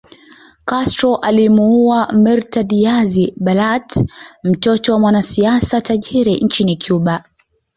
Castro alimuoa Mirta Diaz Balart mtoto wa mwanasiasa tajiri nchini Cuba